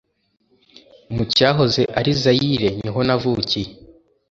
mucyahoze ari zaire.niho navukiye,